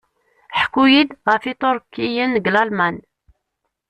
Ḥku-yi-d f Iturkiyen g Lalman.